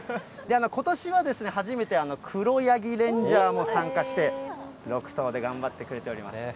ことしは初めてクロヤギレンジャーも参加して、６頭で頑張ってくれております。